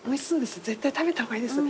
絶対食べた方がいいですよ。